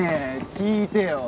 聞いてよ